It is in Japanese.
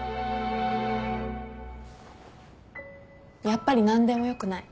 やっぱり何でもよくない。